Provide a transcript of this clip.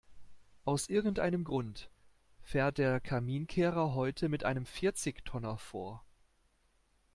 Aus irgendeinem Grund fährt der Kaminkehrer heute mit einem Vierzigtonner vor.